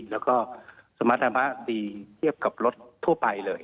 แล้วก็สมรรถธรรมะดีเทียบกับรถทั่วไปเลย